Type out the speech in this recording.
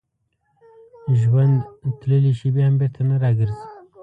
ژوند تللې شېبې هم بېرته نه راګرځي.